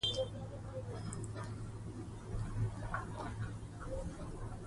اداري عدالت ثبات پیاوړی کوي